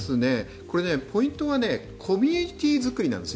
これね、ポイントはコミュニティーづくりなんですよ